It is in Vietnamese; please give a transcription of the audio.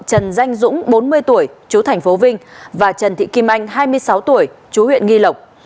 trần danh dũng bốn mươi tuổi chú thành phố vinh và trần thị kim anh hai mươi sáu tuổi chú huyện nghi lộc